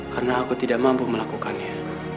karena aku tidak mampu melakukannya